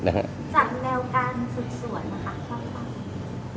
จากแนวการสืบสวนมันค่ะความตอบ